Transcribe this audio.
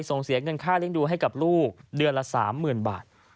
ส่งเสียเงินค่าเลี้ยงดูให้กับลูกเดือนละ๓๐๐๐บาท